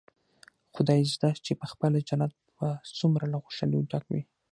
خدايزده چې پخپله جنت به څومره له خوشاليو ډک وي.